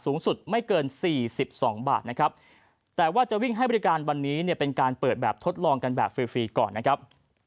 สูงสุดไม่เกิน๔๒บาทนะครับแต่ว่าจะวิ่งให้บริการวันนี้เนี่ยเป็นการเปิดแบบทดลองกันแบบฟรีก่อนนะครับ